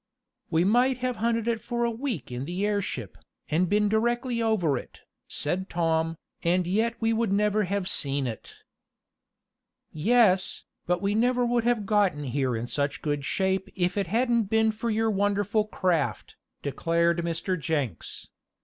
"We might have hunted for it a week in the airship, and been directly over it," said Tom, "and yet we would never have seen it." "Yes, but we never would have gotten here in such good shape if it hadn't been for your wonderful craft," declared Mr. Jenks.